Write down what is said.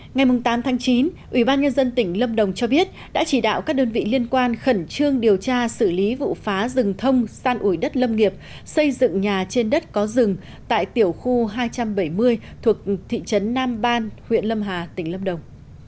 ngày tám chín ủy ban nhân dân tỉnh lâm đồng cho biết đã chỉ đạo các đơn vị liên quan khẩn trương điều tra xử lý vụ phá rừng thông san ủi đất lâm nghiệp xây dựng nhà trên đất có rừng tại tiểu khu hai trăm bảy mươi thuộc thị trấn nam ban huyện lâm hà tỉnh lâm đồng